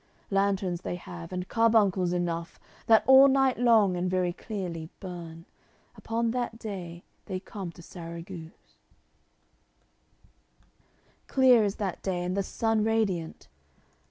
Lanterns they have, and carbuncles enough, That all night long and very clearly burn. Upon that day they come to Sarragus. AOI. CXCII Clear is that day, and the sun radiant.